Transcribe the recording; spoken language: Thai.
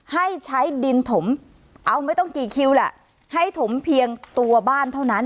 ให้ใช้ดินถมเอาไม่ต้องกี่คิวแหละให้ถมเพียงตัวบ้านเท่านั้น